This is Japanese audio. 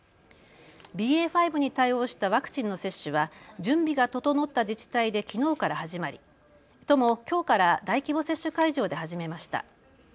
ＢＡ．５に対応したワクチンの接種は準備が整った自治体できのうから始まり都も、きょうから大規模接種会場で始めました。